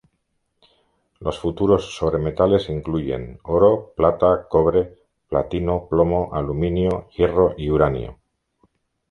Los futuros sobre metales incluyen: oro, plata, cobre, platino, plomo, aluminio, hierro y uranio.